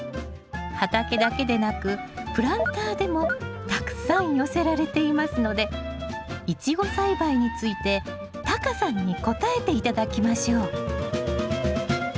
畑だけでなくプランターでもたくさん寄せられていますのでイチゴ栽培についてタカさんに答えて頂きましょう。